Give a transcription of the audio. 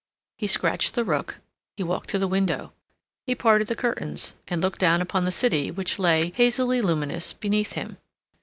He scratched the rook, he walked to the window; he parted the curtains, and looked down upon the city which lay, hazily luminous, beneath him.